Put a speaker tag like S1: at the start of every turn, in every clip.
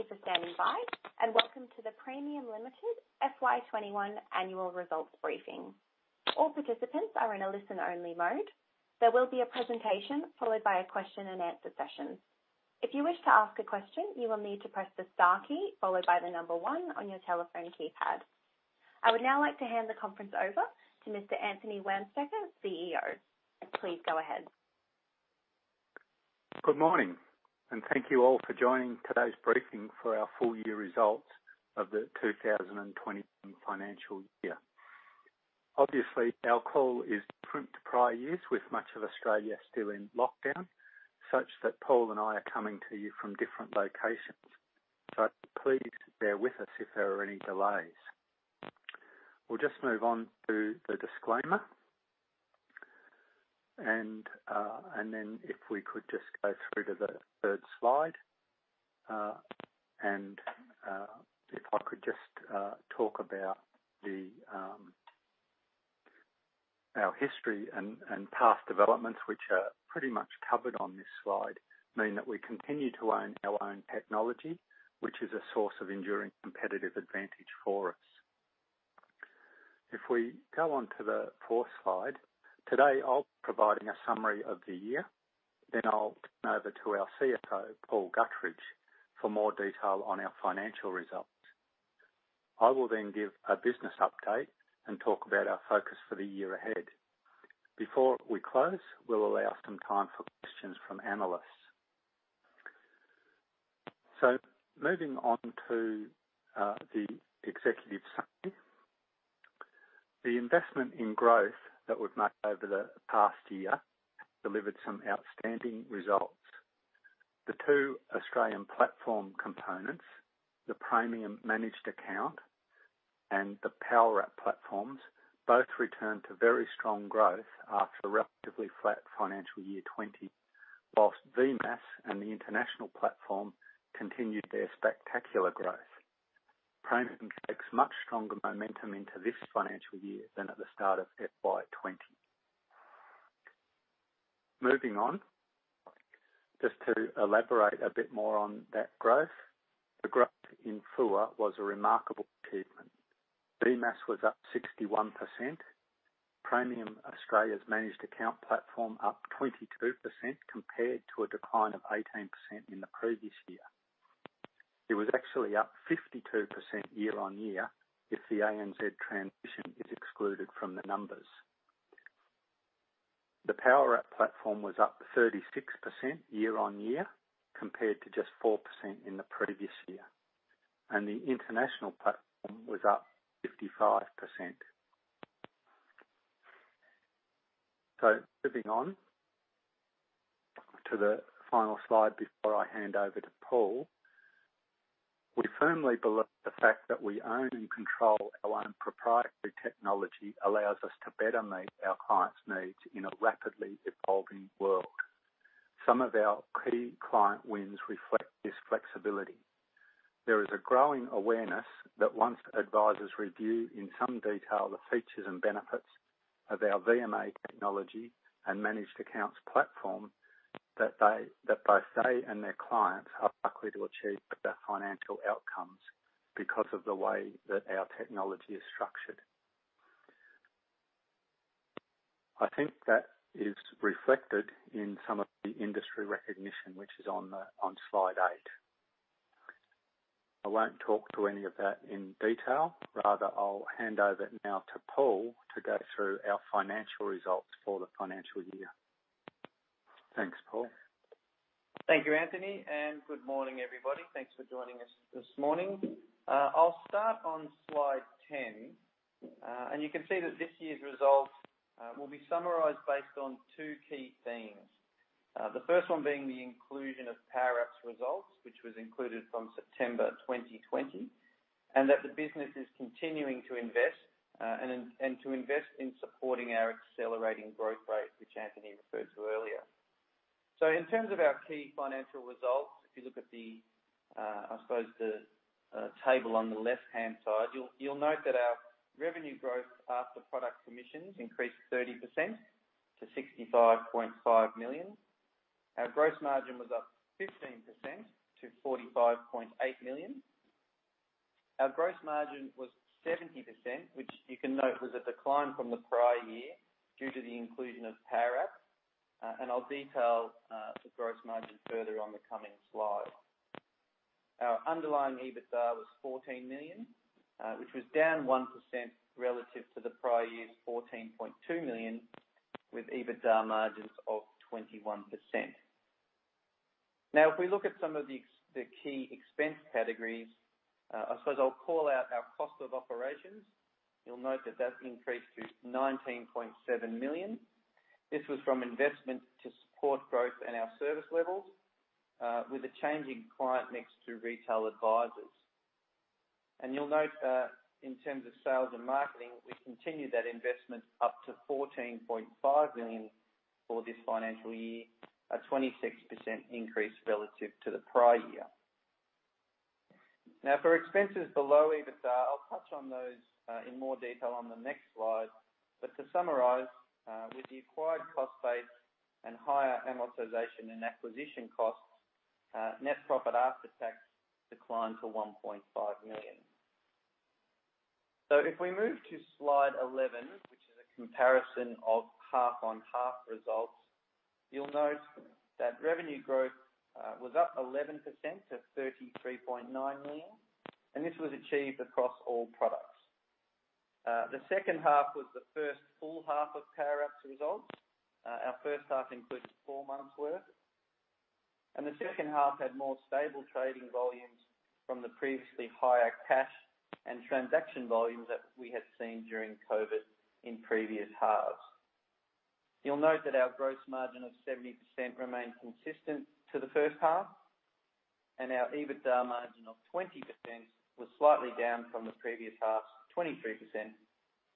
S1: Thank you for standing by. Welcome to the Praemium Limited FY 2021 annual results briefing. I would now like to hand the conference over to Mr. Anthony Wamsteker, CEO. Please go ahead.
S2: Good morning, and thank you all for joining today's briefing for our full year results of the 2021 financial year. Obviously, our call is different to prior years, with much of Australia still in lockdown, such that Paul and I are coming to you from different locations. Please bear with us if there are any delays. We'll just move on to the disclaimer, and then if we could just go through to the third slide. If I could just talk about our history and past developments, which are pretty much covered on this slide, mean that we continue to own our own technology, which is a source of enduring competitive advantage for us. If we go on to the fourth slide. Today, I'll be providing a summary of the year. I'll turn over to our CFO, Paul Gutteridge, for more detail on our financial results. I will then give a business update and talk about our focus for the year ahead. Before we close, we'll allow some time for questions from analysts. Moving on to the executive summary. The investment in growth that we've made over the past year delivered some outstanding results. The two Australian platform components, the Praemium Managed Account and the Powerwrap platforms, both returned to very strong growth after a relatively flat FY 2020, while VMAAS and the international platform continued their spectacular growth. Praemium takes much stronger momentum into this financial year than at the start of FY 2020. Moving on. Just to elaborate a bit more on that growth. The growth in FUA was a remarkable achievement. VMAAS was up 61%. Praemium Australia's managed account platform up 22% compared to a decline of 18% in the previous year. It was actually up 52% year-on-year if the ANZ transition is excluded from the numbers. The Powerwrap platform was up 36% year-on-year, compared to just 4% in the previous year, and the international platform was up 55%. Moving on to the final slide before I hand over to Paul. We firmly believe the fact that we own and control our own proprietary technology allows us to better meet our clients' needs in a rapidly evolving world. Some of our key client wins reflect this flexibility. There is a growing awareness that once advisers review in some detail the features and benefits of our VMA technology and managed accounts platform, that both they and their clients are likely to achieve better financial outcomes because of the way that our technology is structured. I think that is reflected in some of the industry recognition, which is on slide eight. I won't talk to any of that in detail. Rather, I'll hand over now to Paul to go through our financial results for the financial year. Thanks, Paul.
S3: Thank you, Anthony, and good morning, everybody. Thanks for joining us this morning. I'll start on slide 10, and you can see that this year's results will be summarized based on two key themes. The first one being the inclusion of Powerwrap results, which was included from September 2020, and that the business is continuing to invest and to invest in supporting our accelerating growth rate, which Anthony referred to earlier. In terms of our key financial results, if you look at the, I suppose, the table on the left-hand side, you'll note that our revenue growth after product commissions increased 30% to 65.5 million. Our gross margin was up 15% to 45.8 million. Our gross margin was 70%, which you can note was a decline from the prior year due to the inclusion of Powerwrap, and I'll detail the gross margin further on the coming slide. Our underlying EBITDA was 14 million, which was down 1% relative to the prior year's 14.2 million, with EBITDA margins of 21%. Now, if we look at some of the key expense categories, I suppose I'll call out our cost of operations. You'll note that that increased to AUD 19.7 million. This was from investment to support growth and our service levels with a change in client mix to retail advisers. You'll note that in terms of sales and marketing, we continued that investment up to 14.5 million for this financial year, a 26% increase relative to the prior year. Now for expenses below EBITDA, I'll touch on those in more detail on the next slide. To summarize, with the acquired cost base and higher amortization and acquisition costs, net profit after tax declined to 1.5 million. If we move to slide 11, which is a comparison of half-on-half results, you'll note that revenue growth was up 11% to 33.9 million, and this was achieved across all products. The second half was the first full half of Powerwrap's results. Our first half included four months' worth, and the second half had more stable trading volumes from the previously higher cash and transaction volumes that we had seen during COVID in previous halves. You'll note that our gross margin of 70% remained consistent to the first half, and our EBITDA margin of 20% was slightly down from the previous half's 23%,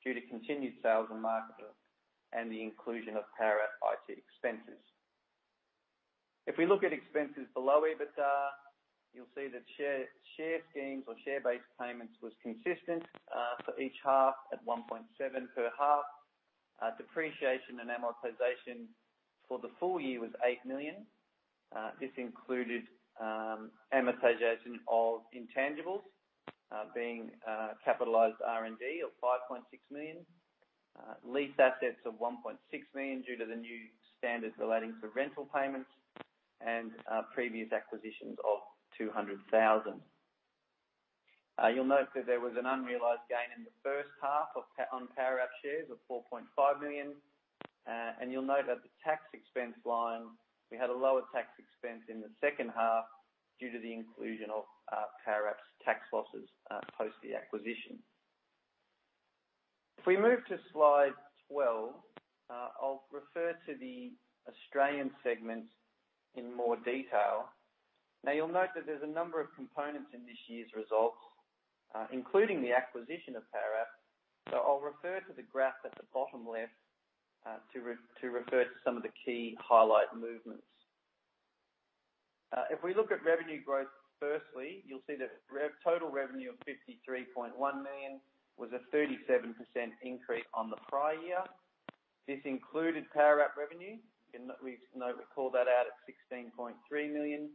S3: due to continued sales and marketing and the inclusion of Powerwrap IT expenses. If we look at expenses below EBITDA, you'll see that share schemes or share-based payments was consistent for each half at 1.7 per half. Depreciation and amortization for the full year was 8 million. This included amortization of intangibles being capitalized R&D of 5.6 million, lease assets of 1.6 million due to the new standards relating to rental payments, and previous acquisitions of 200,000. You'll note that there was an unrealized gain in the first half on Powerwrap shares of 4.5 million. You'll note that the tax expense line, we had a lower tax expense in the second half due to the inclusion of Powerwrap's tax losses post the acquisition. If we move to slide 12, I'll refer to the Australian segment in more detail. You'll note that there's a number of components in this year's results, including the acquisition of Powerwrap. I'll refer to the graph at the bottom left to refer to some of the key highlight movements. If we look at revenue growth, firstly, you'll see that total revenue of 53.1 million was a 37% increase on the prior year. This included Powerwrap revenue, note we call that out at 16.3 million.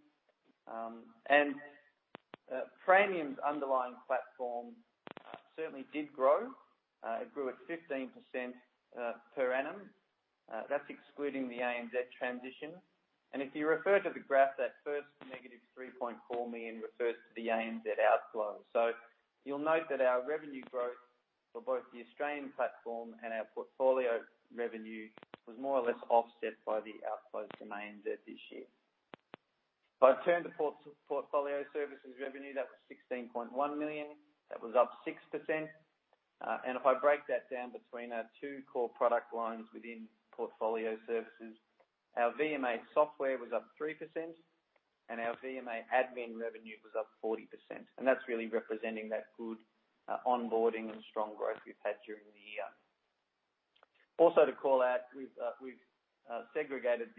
S3: Praemium's underlying platform certainly did grow. It grew at 15% per annum. That's excluding the ANZ transition. If you refer to the graph, that first -3.4 million refers to the ANZ outflow. You'll note that our revenue growth for both the Australian platform and our portfolio revenue was more or less offset by the outflows from ANZ this year. If I turn to portfolio services revenue, that was 16.1 million. That was up 6%. If I break that down between our two core product lines within portfolio services, our VMA software was up 3% and our VMA admin revenue was up 40%, and that's really representing that good onboarding and strong growth we've had during the year. To call out, we've segregated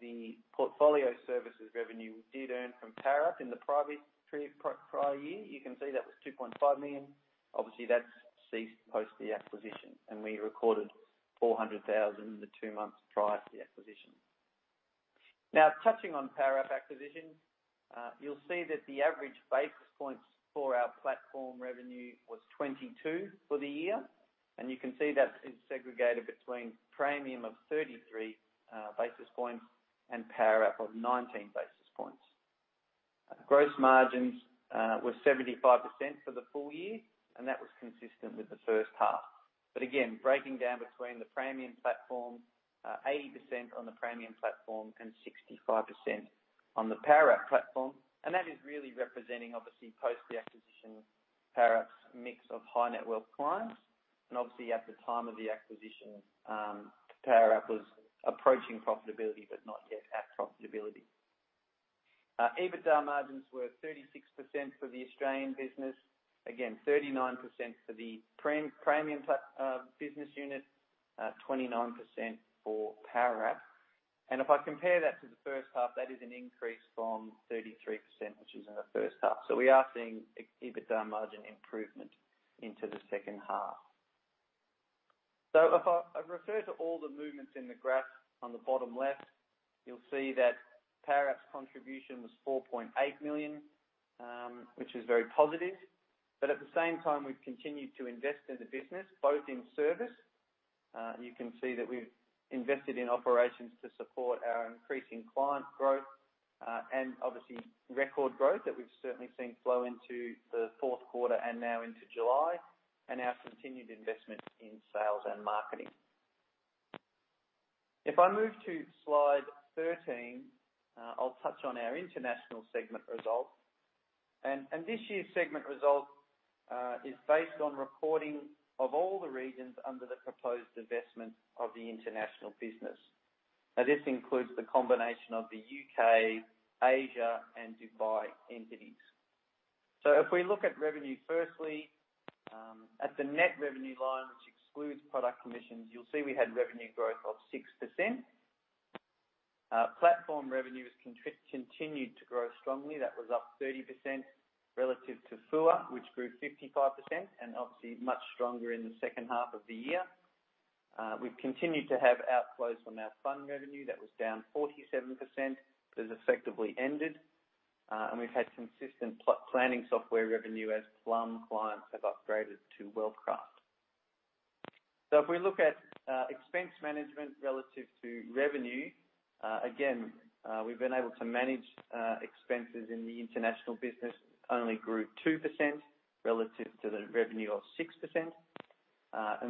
S3: the portfolio services revenue we did earn from Powerwrap in the private prior year. You can see that was 2.5 million. Obviously, that's ceased post the acquisition, and we recorded 400,000 in the two months prior to the acquisition. Touching on Powerwrap acquisition. You'll see that the average basis points for our platform revenue was 22 basis points for the year, and you can see that is segregated between Praemium of 33 basis points and Powerwrap of 19 basis points. Gross margins were 75% for the full year, and that was consistent with the first half. Again, breaking down between the Praemium platform, 80% on the Praemium platform and 65% on the Powerwrap platform. That is really representing, obviously, post the acquisition, Powerwrap's mix of high-net-worth clients. Obviously, at the time of the acquisition, Powerwrap was approaching profitability but not yet at profitability. EBITDA margins were 36% for the Australian business. Again, 39% for the Praemium business unit, 29% for Powerwrap. If I compare that to the first half, that is an increase from 33%, which is in the first half. We are seeing EBITDA margin improvement into the second half. If I refer to all the movements in the graph on the bottom left, you'll see that Powerwrap's contribution was 4.8 million, which is very positive. At the same time, we've continued to invest in the business, both in service, you can see that we've invested in operations to support our increasing client growth and obviously record growth that we've certainly seen flow into the fourth quarter and now into July, and our continued investment in sales and marketing. If I move to slide 13, I'll touch on our international segment results. This year's segment result is based on recording of all the regions under the proposed investment of the international business. This includes the combination of the U.K., Asia, and Dubai entities. If we look at revenue, firstly, at the net revenue line, which excludes product commissions, you'll see we had revenue growth of 6%. Platform revenues continued to grow strongly. That was up 30% relative to FUA, which grew 55%, and obviously much stronger in the second half of the year. We've continued to have outflows from our fund revenue; that was down 47%, but has effectively ended. We've had consistent planning software revenue as Plum clients have upgraded to WealthCraft. If we look at expense management relative to revenue, again, we've been able to manage expenses in the international business, only grew 2% relative to the revenue of 6%.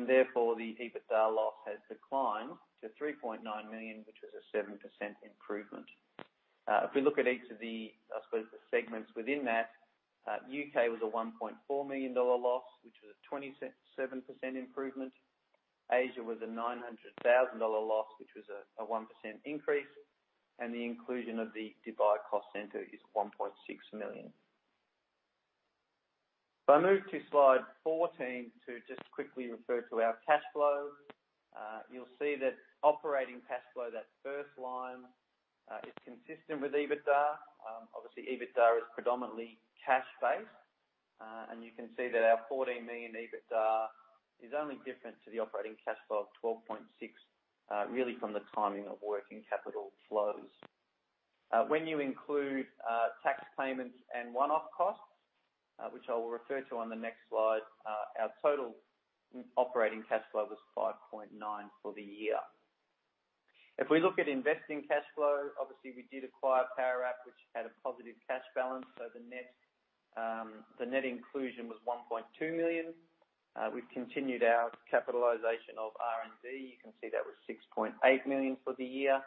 S3: Therefore, the EBITDA loss has declined to 3.9 million, which was a 7% improvement. If we look at each of the, I suppose, the segments within that, U.K. was a 1.4 million dollar loss, which was a 27% improvement. Asia was a 900,000 dollar loss, which was a 1% increase. The inclusion of the Dubai cost center is 1.6 million. If I move to slide 14 to just quickly refer to our cash flow. You'll see that operating cash flow, that first line, is consistent with EBITDA. EBITDA is predominantly cash-based. You can see that our 14 million EBITDA is only different to the operating cash flow of 12.6 million, really from the timing of working capital flows. When you include tax payments and one-off costs, which I will refer to on the next slide, our total operating cash flow was 5.9 million for the year. If we look at investing cash flow, obviously we did acquire Powerwrap, which had a positive cash balance, so the net inclusion was 1.2 million. We've continued our capitalization of R&D. You can see that was 6.8 million for the year.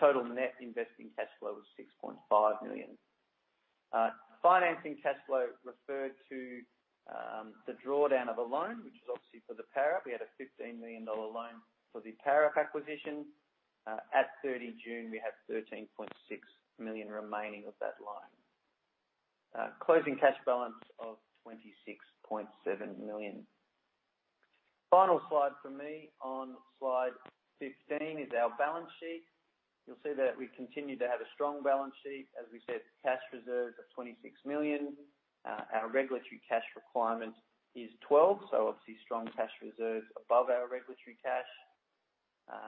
S3: Total net investing cash flow was 6.5 million. Financing cash flow referred to the drawdown of a loan, which is obviously for the Powerwrap. We had an 15 million dollar loan for the Powerwrap acquisition. At 30 June, we have 13.6 million remaining of that loan. Closing cash balance of 26.7 million. Final slide from me on slide 15 is our balance sheet. You'll see that we continue to have a strong balance sheet. As we said, cash reserves are 26 million. Our regulatory cash requirement is 12 million, so obviously strong cash reserves above our regulatory cash.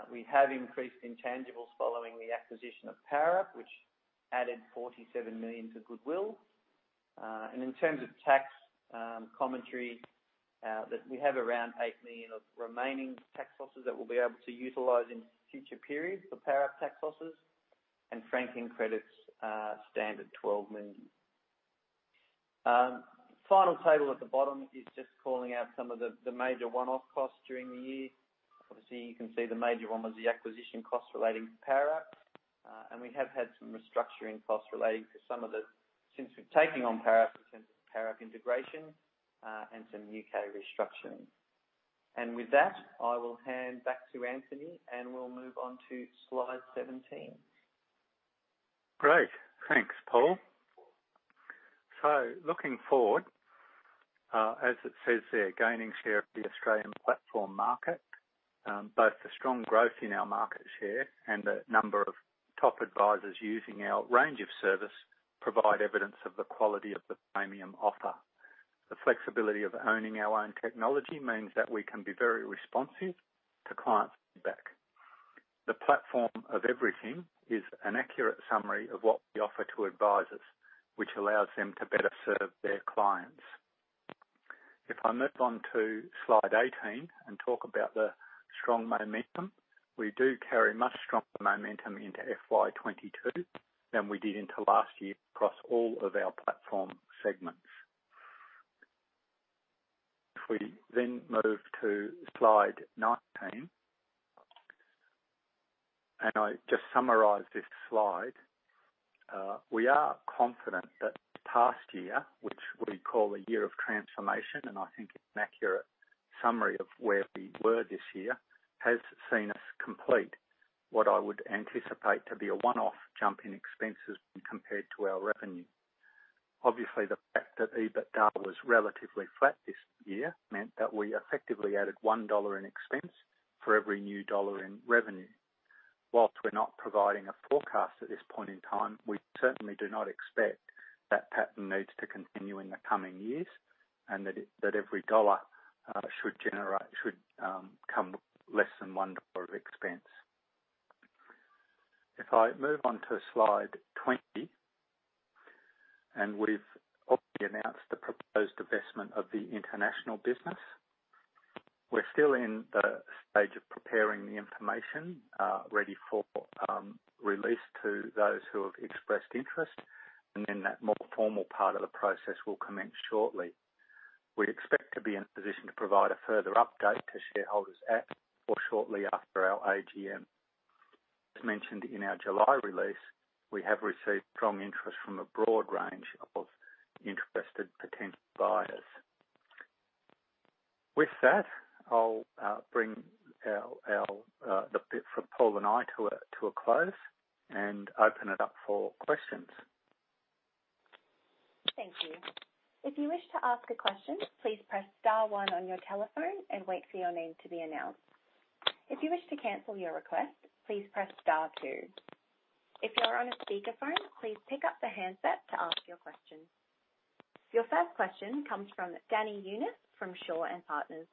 S3: We have increased intangibles following the acquisition of Powerwrap, which added 47 million to goodwill. In terms of tax commentary, that we have around 8 million of remaining tax losses that we'll be able to utilize in future periods for Powerwrap tax losses, and franking credits standard, 12 million. Final table at the bottom is just calling out some of the major one-off costs during the year. Obviously, you can see the major one was the acquisition cost relating to Powerwrap. We have had some restructuring costs relating to some of the Since we've taken on Powerwrap, in terms of Powerwrap integration, and some U.K. restructuring. With that, I will hand back to Anthony, and we'll move on to slide 17.
S2: Great. Thanks, Paul. Looking forward, as it says there, gaining share of the Australian platform market. Both the strong growth in our market share and the number of top advisors using our range of service provide evidence of the quality of the Praemium offer. The flexibility of owning our own technology means that we can be very responsive to clients' feedback. The platform of everything is an accurate summary of what we offer to advisors, which allows them to better serve their clients. If I move on to slide 18 and talk about the strong momentum, we do carry much stronger momentum into FY 2022 than we did into last year across all of our platform segments. If we move to slide 19, and I just summarize this slide. We are confident that the past year, which we call a year of transformation, and I think it's an accurate summary of where we were this year, has seen us complete what I would anticipate to be a one-off jump in expenses when compared to our revenue. Obviously, the fact that EBITDA was relatively flat this year meant that we effectively added 1 dollar in expense for every new AUD 1 in revenue. Whilst we're not providing a forecast at this point in time, we certainly do not expect that pattern needs to continue in the coming years, and that every dollar should come less than 1 dollar of expense. If I move on to slide 20, and we've obviously announced the proposed divestment of the international business. We're still in the stage of preparing the information ready for release to those who have expressed interest, and then that more formal part of the process will commence shortly. We'd expect to be in a position to provide a further update to shareholders at or shortly after our AGM. As mentioned in our July release, we have received strong interest from a broad range of interested potential buyers. With that, I'll bring from Paul and I to a close and open it up for questions.
S1: Thank you. Your first question comes from Danny Younis from Shaw and Partners.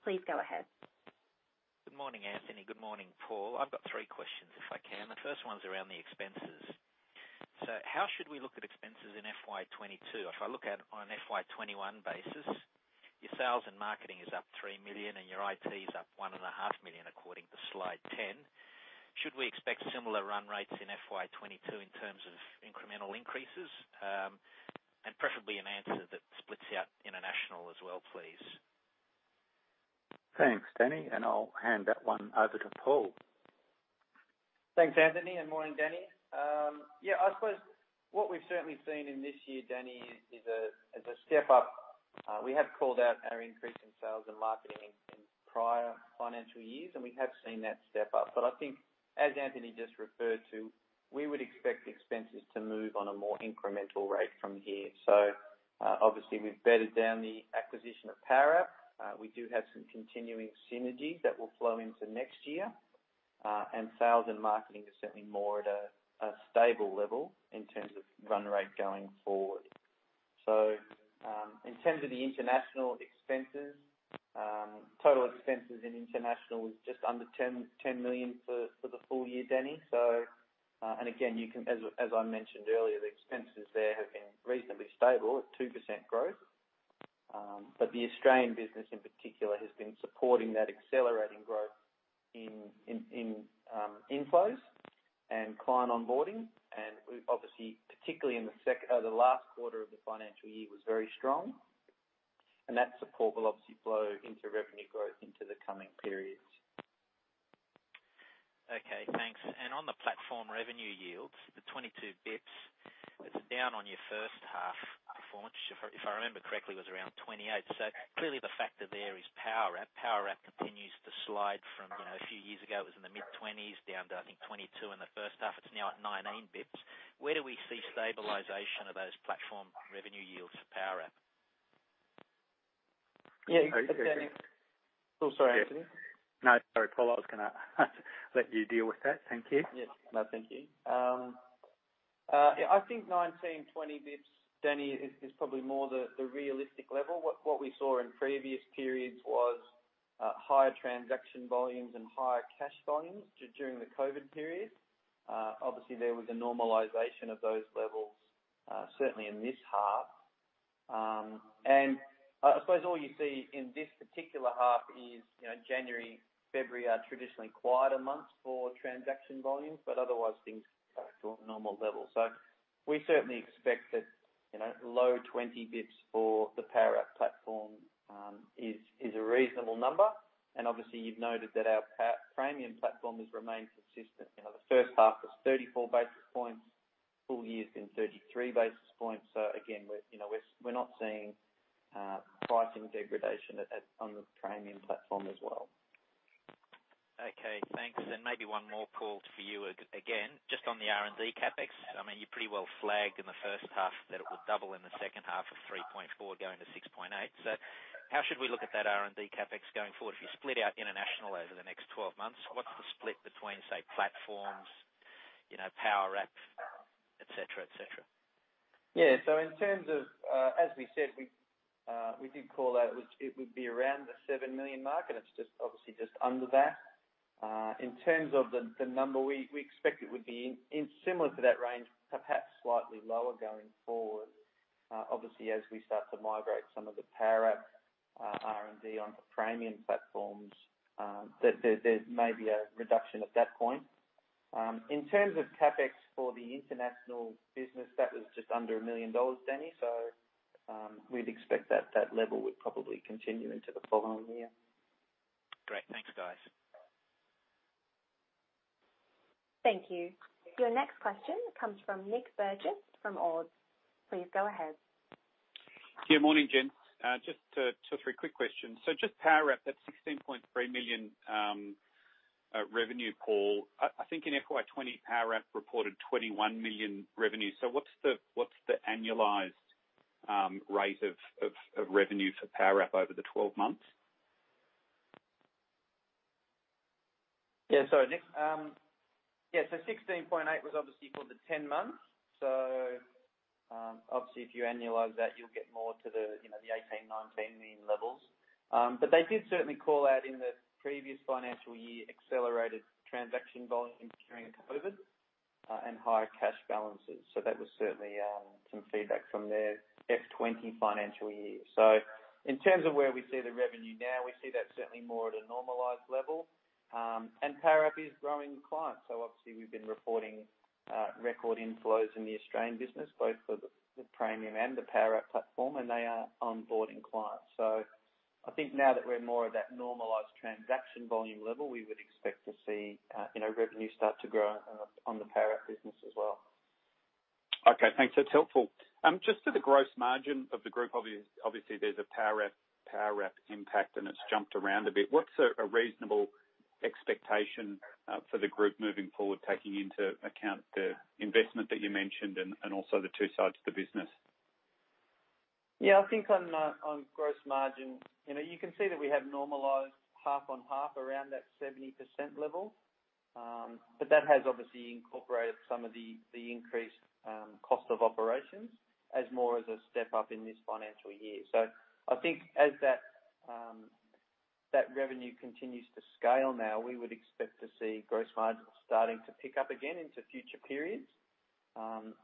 S1: Please go ahead.
S4: Good morning, Anthony. Good morning, Paul. I've got three questions if I can. The first one's around the expenses. How should we look at expenses in FY 2022? If I look at it on an FY 2021 basis, your sales and marketing is up 3 million and your IT is up 1.5 million, according to slide 10. Should we expect similar run rates in FY 2022 in terms of incremental increases? Preferably an answer that splits out international as well, please.
S2: Thanks, Danny. I'll hand that one over to Paul.
S3: Thanks, Anthony, and morning, Danny. Yeah, I suppose what we've certainly seen in this year, Danny, is a step up. We have called out our increase in sales and marketing in prior financial years, and we have seen that step up. I think, as Anthony just referred to, we would expect expenses to move on a more incremental rate from here. Obviously we've bedded down the acquisition of Powerwrap. We do have some continuing synergy that will flow into next year. Sales and marketing is certainly more at a stable level in terms of run rate going forward. In terms of the international expenses, total expenses in international was just under 10 million for the full year, Danny. Again, as I mentioned earlier, the expenses there have been reasonably stable at 2% growth. The Australian business in particular has been supporting that accelerating growth in inflows and client onboarding. Obviously, particularly in the last quarter of the financial year was very strong. That support will obviously flow into revenue growth into the coming periods.
S4: Okay, thanks. On the platform revenue yields, the 22 basis points, it's down on your first half performance. If I remember correctly, it was around 28 basis points. Clearly the factor there is Powerwrap. Powerwrap continues to slide from a few years ago, it was in the mid-20 basis points down to, I think, 22 basis points in the first half. It's now at 19 basis points. Where do we see stabilization of those platform revenue yields for Powerwrap?
S3: Yeah. Oh, sorry, Anthony.
S2: No, sorry, Paul. I was going to let you deal with that. Thank you.
S3: Yes. No, thank you. Yes, I think 19 basis points, 20 basis points, Danny, is probably more the realistic level. What we saw in previous periods was higher transaction volumes and higher cash volumes during the COVID period. Obviously, there was a normalization of those levels, certainly in this half. I suppose all you see in this particular half is January, February are traditionally quieter months for transaction volumes, but otherwise things are back to a normal level. We certainly expect that low 20 basis points for the Powerwrap platform is a reasonable number. Obviously you've noted that our Praemium platform has remained consistent. The first half was 34 basis points, full year's been 33 basis points. Again, we're not seeing pricing degradation on the Praemium platform as well.
S4: Okay, thanks. Maybe one more, Paul, for you again, just on the R&D CapEx. You pretty well flagged in the first half that it would double in the second half of 3.4 going to 6.8. How should we look at that R&D CapEx going forward? If you split out international over the next 12 months, what's the split between, say, platforms, Powerwrap, et cetera?
S3: Yeah. As we said, we did call out, it would be around the 7 million mark, and it's obviously just under that. In terms of the number, we expect it would be similar to that range, perhaps slightly lower going forward. Obviously, as we start to migrate some of the Powerwrap R&D onto Praemium platforms, there may be a reduction at that point. In terms of CapEx for the international business, that was just under 1 million dollars, Danny. So we'd expect that that level would probably continue into the following year.
S4: Great. Thanks, guys.
S1: Thank you. Your next question comes from Nic Burgess from Ord. Please go ahead.
S5: Yeah, morning, gents. Just two, three quick questions. Just Powerwrap, that 16.3 million revenue call. I think in FY 2020, Powerwrap reported 21 million revenue. What's the annualized rate of revenue for Powerwrap over the 12 months?
S3: Yeah, Nic. Yeah, 16.8 million was obviously for the 10 months. Obviously if you annualize that, you'll get more to the 18 million, 19 million levels. They did certainly call out in the previous financial year accelerated transaction volumes during COVID, and higher cash balances. That was certainly some feedback from their FY 2020 financial year. In terms of where we see the revenue now, we see that certainly more at a normalized level. Powerwrap is growing clients. Obviously we've been reporting record inflows in the Australian business, both for the Praemium and the Powerwrap platform, and they are onboarding clients. I think now that we're more of that normalized transaction volume level, we would expect to see revenue start to grow on the Powerwrap business as well.
S5: Okay, thanks. That's helpful. Just to the gross margin of the group, obviously, there's a Powerwrap impact, and it's jumped around a bit. What's a reasonable expectation for the group moving forward, taking into account the investment that you mentioned and also the two sides of the business.
S3: Yeah. I think on gross margin, you can see that we have normalized half on half around that 70% level. That has obviously incorporated some of the increased cost of operations as more as a step-up in this financial year. I think as that revenue continues to scale now, we would expect to see gross margins starting to pick up again into future periods.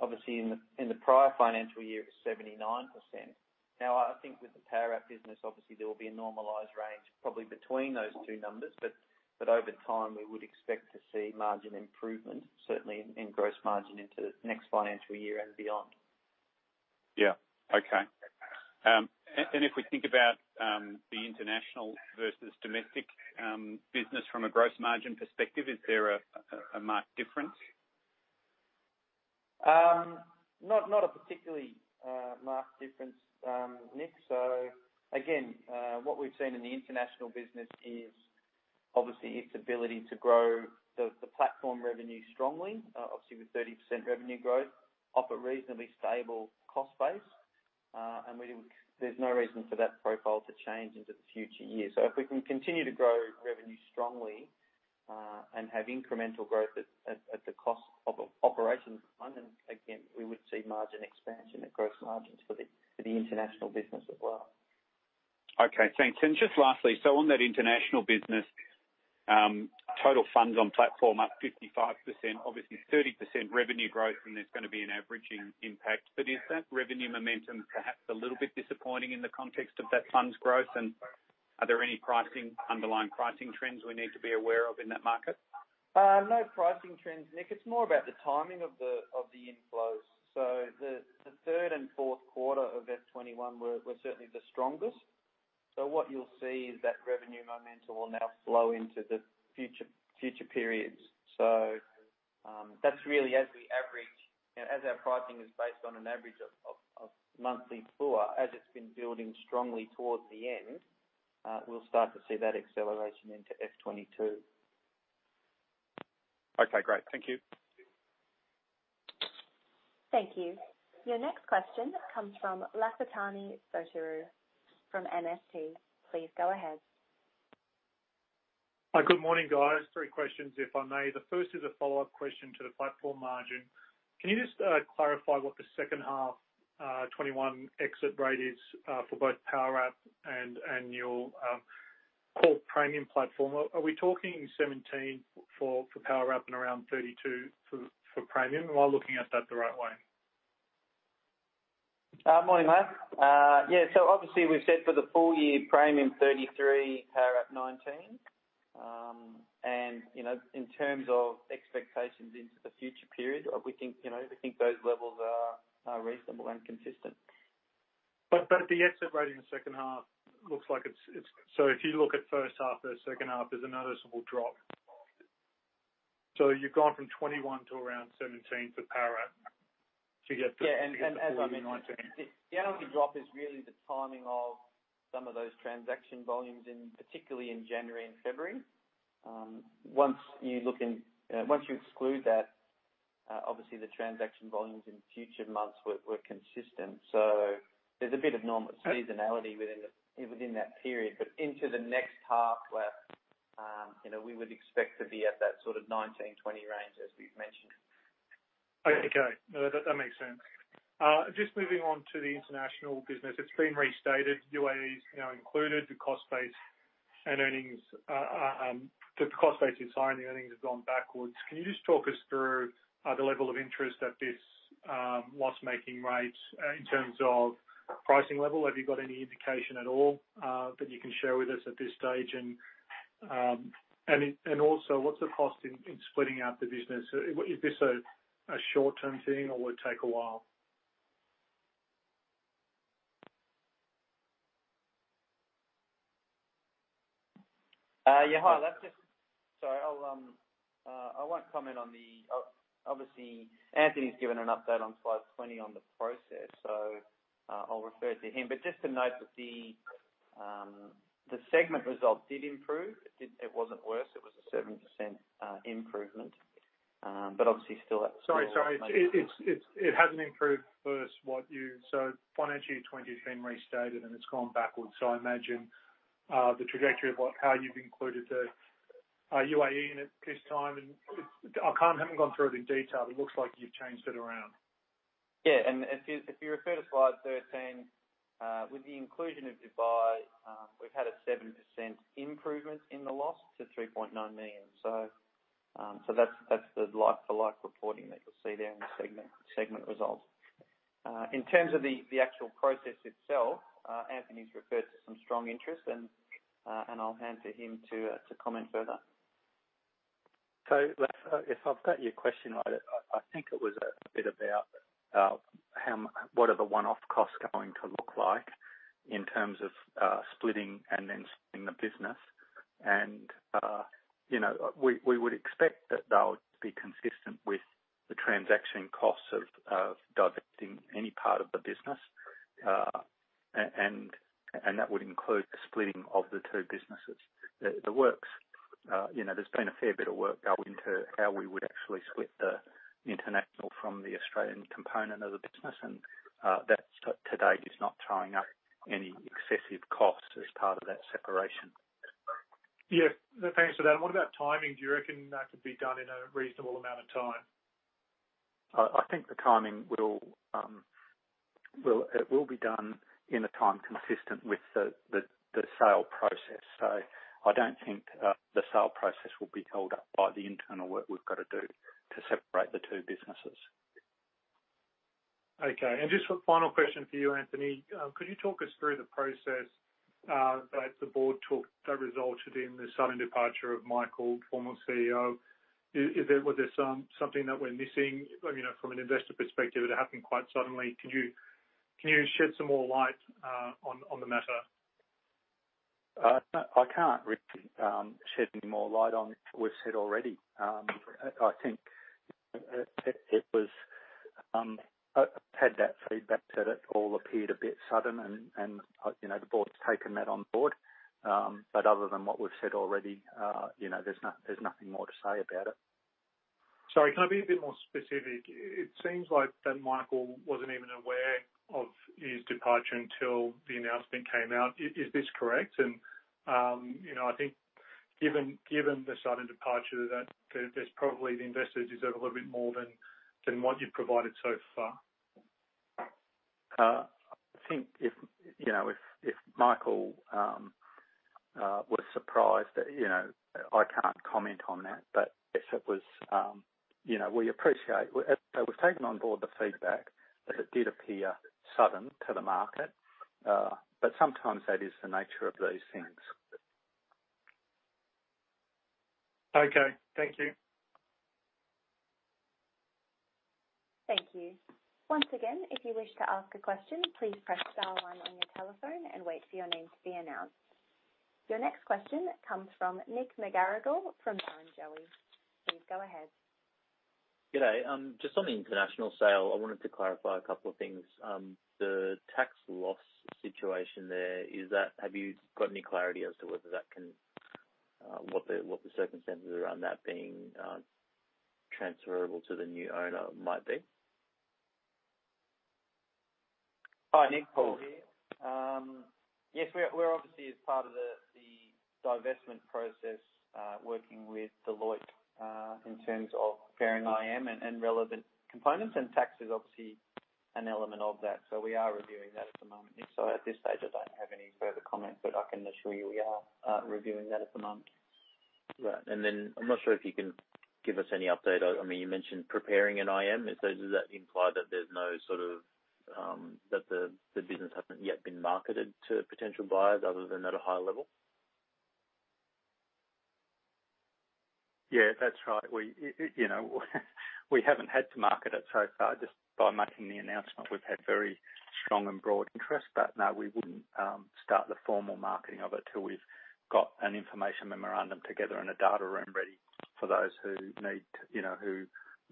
S3: Obviously, in the prior financial year, it was 79%. I think with the Powerwrap business, obviously there will be a normalized range probably between those two numbers. Over time, we would expect to see margin improvement, certainly in gross margin into the next financial year and beyond.
S5: Yeah. Okay. If we think about the international versus domestic business from a gross margin perspective, is there a marked difference?
S3: Not a particularly marked difference, Nic. Again, what we've seen in the international business is obviously its ability to grow the platform revenue strongly. Obviously, with 30% revenue growth, off a reasonably stable cost base. There's no reason for that profile to change into the future year. If we can continue to grow revenue strongly, and have incremental growth at the cost of operations fund, then again, we would see margin expansion at gross margins for the international business as well.
S5: Okay, thanks. Just lastly, on that international business, total funds on platform up 55%. Obviously 30% revenue growth, and there's going to be an averaging impact. Is that revenue momentum perhaps a little bit disappointing in the context of that funds growth, and are there any underlying pricing trends we need to be aware of in that market?
S3: No pricing trends, Nic. It's more about the timing of the inflows. The third and fourth quarter of FY 2021 were certainly the strongest. What you'll see is that revenue momentum will now flow into the future periods. That's really as we average, as our pricing is based on an average of monthly flow, as it's been building strongly towards the end, we'll start to see that acceleration into FY 2022.
S5: Okay, great. Thank you.
S1: Thank you. Your next question comes from Lafitani Sotiriou from MST Financial. Please go ahead.
S6: Hi. Good morning, guys. Three questions if I may. The first is a follow-up question to the platform margin. Can you just clarify what the second half 2021 exit rate is for both Powerwrap and your core Praemium platform? Are we talking 17 basis points for Powerwrap and around 32 basis points for Praemium? Am I looking at that the right way?
S3: Morning, Laf. Yeah. Obviously we've said for the full year, Praemium 33 basis points, Powerwrap 19 basis points. In terms of expectations into the future period, we think those levels are reasonable and consistent.
S6: The exit rate in the second half looks like, if you look at first half versus second half, there's a noticeable drop. You've gone from 21 million to around 17 million for Powerwrap to get to.
S3: Yeah.
S6: To get to the full year 2019.
S3: The anomaly drop is really the timing of some of those transaction volumes, particularly in January and February. Once you exclude that, obviously the transaction volumes in future months were consistent. There's a bit of normal seasonality within that period. Into the next half, Laf, we would expect to be at that sort of 19 basis points-20 basis points range as we've mentioned.
S6: Okay. No, that makes sense. Just moving on to the international business. It's been restated, UAE is now included. The cost base is high and the earnings have gone backwards. Can you just talk us through the level of interest at this loss-making rate in terms of pricing level? Have you got any indication at all that you can share with us at this stage? Also, what's the cost in splitting out the business? Is this a short-term thing or will it take a while?
S3: Yeah. Hi, Laf. Sorry, I won't comment on the. Anthony's given an update on slide 20 on the process, so I'll refer to him. Just to note that the segment result did improve. It wasn't worse. It was a 7% improvement.
S6: Sorry. It hasn't improved versus what you-- FY 2020 has been restated, and it's gone backwards. I imagine the trajectory of how you've included the UAE in it this time, and I haven't gone through it in detail, but it looks like you've changed it around.
S3: If you refer to slide 13, with the inclusion of Dubai, we've had a 7% improvement in the loss to 3.9 million. That's the like-to-like reporting that you'll see there in the segment results. In terms of the actual process itself, Anthony's referred to some strong interest and I'll hand to him to comment further.
S2: Laf, if I've got your question right, I think it was a bit about what are the one-off costs going to look like in terms of splitting and then spinning the business. We would expect that they'll be consistent with the transaction costs of divesting any part of the business. That would include the splitting of the two businesses. There's been a fair bit of work go into how we would actually split the international from the Australian component of the business, and that to date is not throwing up any excessive cost as part of that separation.
S6: Yeah. No, thanks for that. What about timing? Do you reckon that could be done in a reasonable amount of time?
S2: I think the timing, it will be done in a time consistent with the sale process. I don't think the sale process will be held up by the internal work we've got to do to separate the two businesses.
S6: Okay. Just a final question for you, Anthony. Could you talk us through the process that the board took that resulted in the sudden departure of Michael, former CEO? Was there something that we are missing? From an investor perspective, it happened quite suddenly. Can you shed some more light on the matter?
S2: I can't really shed any more light on what we've said already. I think I had that feedback that it all appeared a bit sudden and the board's taken that on board. Other than what we've said already, there's nothing more to say about it.
S6: Sorry, can I be a bit more specific? It seems like that Michael wasn't even aware of his departure until the announcement came out. Is this correct? I think given the sudden departure that probably the investors deserve a little bit more than what you've provided so far.
S2: I think if Michael was surprised, I can't comment on that. We appreciate it. We've taken on board the feedback that it did appear sudden to the market. Sometimes that is the nature of these things.
S6: Okay. Thank you.
S1: Thank you. Once again, if you wish to ask a question, please press star one on your telephone and wait for your name to be announced. Your next question comes from Nick McGarrigle from Barrenjoey. Please go ahead.
S7: G'day. Just on the international sale, I wanted to clarify a couple of things. The tax loss situation there, have you got any clarity as to what the circumstances around that being transferable to the new owner might be?
S3: Hi, Nick. Paul here. We're obviously as part of the divestment process, working with Deloitte, in terms of preparing IM and relevant components, and tax is obviously an element of that. We are reviewing that at the moment. At this stage, I don't have any further comment, but I can assure you we are reviewing that at the moment.
S7: Right. I'm not sure if you can give us any update. You mentioned preparing an IM. Does that imply that the business hasn't yet been marketed to potential buyers other than at a high level?
S2: Yeah, that's right. We haven't had to market it so far. Just by making the announcement, we've had very strong and broad interest. No, we wouldn't start the formal marketing of it till we've got an information memorandum together and a data room ready for those who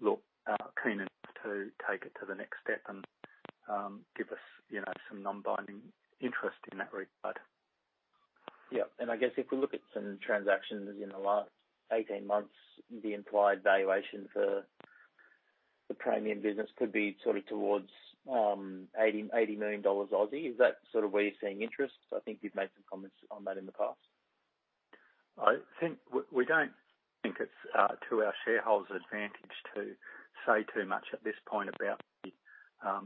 S2: look keen enough to take it to the next step and give us some non-binding interest in that regard.
S7: Yeah. I guess if we look at some transactions in the last 18 months, the implied valuation for the Praemium business could be towards 80 million dollars. Is that where you're seeing interest? I think you've made some comments on that in the past.
S2: We don't think it's to our shareholders' advantage to say too much at this point about the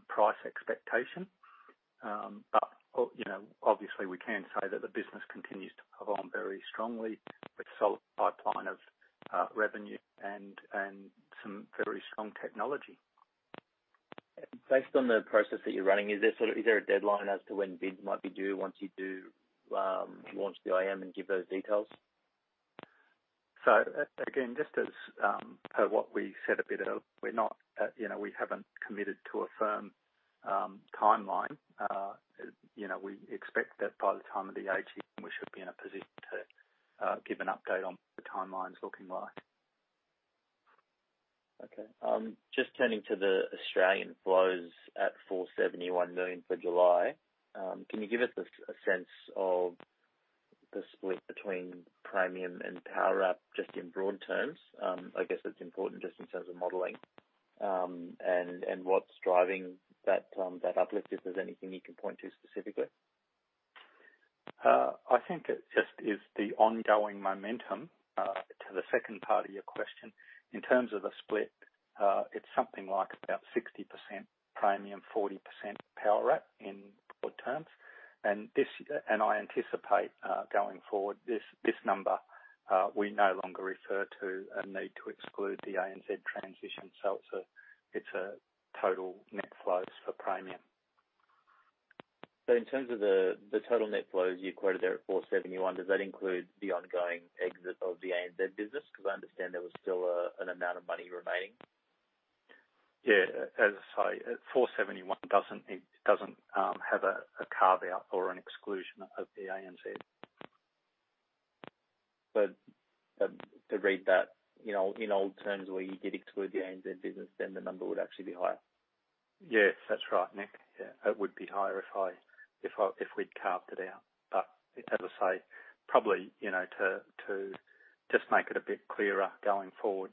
S2: price expectation. Obviously we can say that the business continues to perform very strongly with solid pipeline of revenue and some very strong technology.
S7: Based on the process that you're running, is there a deadline as to when bids might be due once you do launch the IM and give those details?
S2: Again, just as per what we said a bit ago, we haven't committed to a firm timeline. We expect that by the time of the AGM, we should be in a position to give an update on what the timeline's looking like.
S7: Just turning to the Australian flows at 471 million for July, can you give us a sense of the split between Praemium and Powerwrap just in broad terms? I guess it's important just in terms of modeling. What's driving that uplift, if there's anything you can point to specifically?
S2: I think it just is the ongoing momentum, to the second part of your question. In terms of a split, it's something like about 60% Praemium, 40% Powerwrap in broad terms. I anticipate, going forward, this number, we no longer refer to a need to exclude the ANZ transition. It's a total net flows for Praemium.
S7: In terms of the total net flows you quoted there at 471 million, does that include the ongoing exit of the ANZ business? Because I understand there was still an amount of money remaining.
S2: Yeah. As I say, 471 million doesn't have a carve-out or an exclusion of the ANZ.
S7: To read that in old terms where you did exclude the ANZ business, then the number would actually be higher?
S2: Yes, that's right, Nick. Yeah. It would be higher if we'd carved it out. As I say, probably to just make it a bit clearer going forward,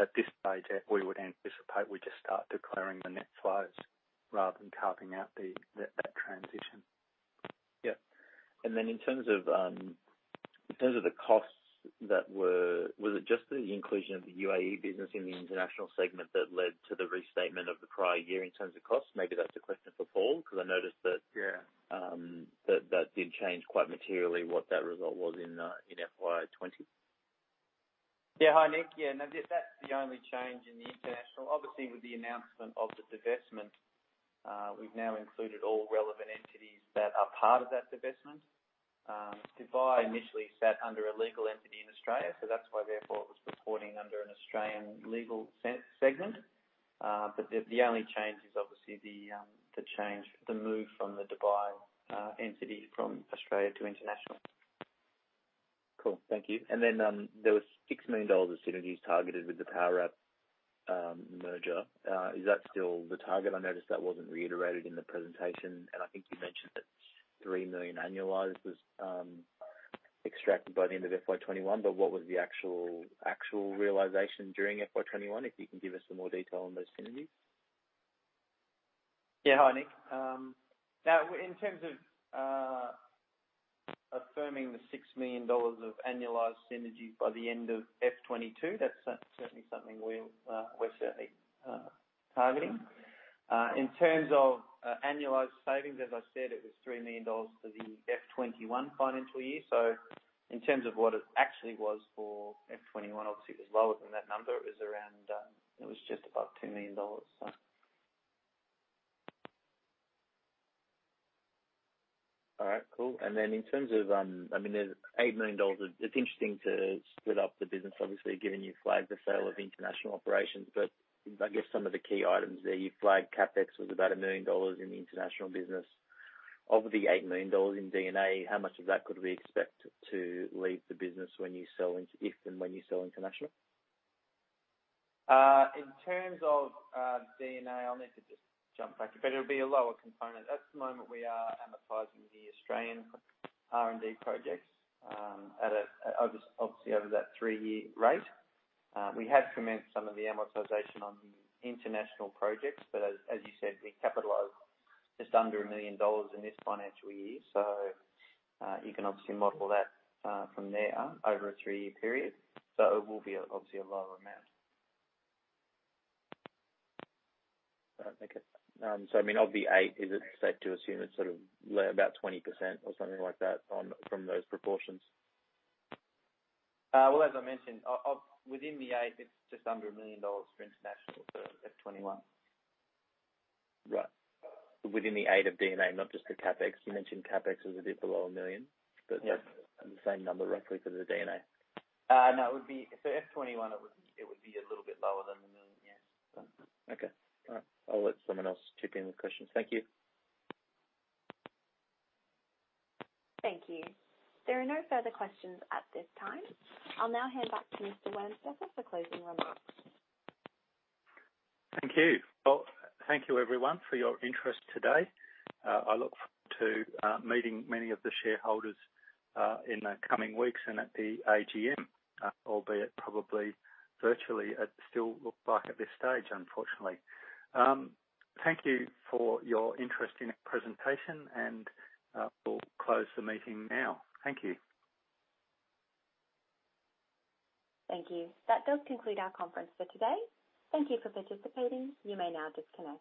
S2: at this stage, we would anticipate we'd just start declaring the net flows rather than carving out that transition.
S7: Yeah. In terms of the costs, was it just the inclusion of the UAE business in the international segment that led to the restatement of the prior year in terms of cost? Maybe that's a question for Paul.
S2: Yeah
S7: that did change quite materially what that result was in FY 2020.
S3: Yeah. Hi, Nick. That's the only change in the International. Obviously, with the announcement of the divestment, we've now included all relevant entities that are part of that divestment. Dubai initially sat under a legal entity in Australia, that's why therefore it was reporting under an Australian legal segment. The only change is obviously the move from the Dubai entity from Australia to International.
S7: Cool. Thank you. There was 6 million dollars of synergies targeted with the Powerwrap merger. Is that still the target? I noticed that wasn't reiterated in the presentation. I think you mentioned that 3 million annualized was extracted by the end of FY 2021. What was the actual realization during FY 2021? If you can give us some more detail on those synergies.
S3: Yeah. Hi, Nick. Now, in terms of affirming the 6 million dollars of annualized synergy by the end of FY 2022, that's certainly something we're certainly targeting. In terms of annualized savings, as I said, it was 3 million dollars for the FY 2021 financial year. In terms of what it actually was for FY 2021, obviously, it was lower than that number. It was just above 2 million dollars.
S7: All right. Cool. In terms of the 8 million dollars, it's interesting to split up the business, obviously, given you flagged the sale of international operations. I guess some of the key items there, you flagged CapEx was about 1 million dollars in the international business. Of the 8 million dollars in D&A, how much of that could we expect to leave the business if and when you sell international?
S3: In terms of D&A, I'll need to just jump back, but it'll be a lower component. At the moment, we are amortizing the Australian R&D projects obviously over that three-year rate. We have commenced some of the amortization on the international projects, but as you said, we capitalized just under 1 million dollars in this financial year. You can obviously model that from there over a three-year period. It will be obviously a lower amount.
S7: All right. Thank you. Of the eight, is it safe to assume it's about 20% or something like that from those proportions?
S3: Well, as I mentioned, within the eight, it's just under 1 million dollars for international for FY 2021.
S7: Right. Within the EBITDA, not just the CapEx. You mentioned CapEx as a bit below 1 million.
S3: Yeah
S7: The same number roughly for the D&A.
S3: No. For FY 2021, it would be a little bit lower than 1 million. Yes.
S7: Okay. All right. I'll let someone else chip in with questions. Thank you.
S1: Thank you. There are no further questions at this time. I'll now hand back to Mr. Wamsteker for closing remarks.
S2: Thank you. Well, thank you everyone for your interest today. I look forward to meeting many of the shareholders in the coming weeks and at the AGM, albeit probably virtually, it still looks like at this stage, unfortunately. Thank you for your interest in our presentation, and we'll close the meeting now. Thank you.
S1: Thank you. That does conclude our conference for today. Thank you for participating. You may now disconnect.